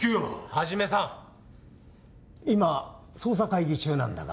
一さん今捜査会議中なんだが。